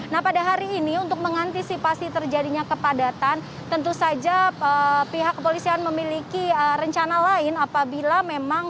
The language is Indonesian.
nah pada hari ini untuk mengantisipasi terjadinya kepadatan tentu saja pihak kepolisian memiliki rencana lain apabila memang